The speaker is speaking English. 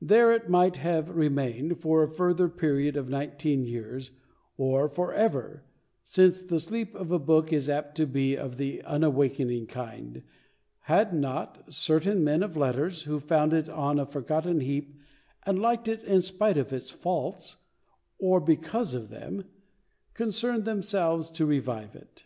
There it might have remained for a further period of nineteen years, or for ever, since the sleep of a book is apt to be of the unawakening kind, had not certain men of letters, who found it on a forgotten heap and liked it in spite of its faults, or because of them, concerned themselves to revive it.